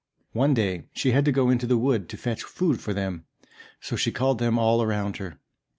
One day she had to go into the wood to fetch food for them, so she called them all round her.